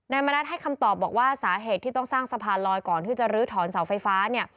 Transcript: มณัฐให้คำตอบบอกว่าสาเหตุที่ต้องสร้างสะพานลอยก่อนที่จะลื้อถอนเสาไฟฟ้าเนี่ย